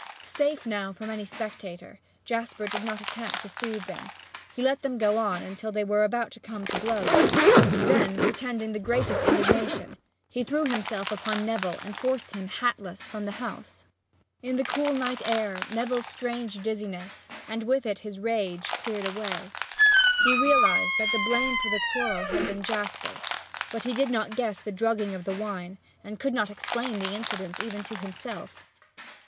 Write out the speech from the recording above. Safe now from any spectator, Jasper did not attempt to soothe them. He let them go on until they were about to come to blows. Then, pretending the greatest indignation, he threw himself upon Neville and forced him, hatless, from the house. In the cool night air Neville's strange dizziness, and with it his rage, cleared away. He realized that the blame for the quarrel had been Jasper's, but he did not guess the drugging of the wine and could not explain the incident even to himself.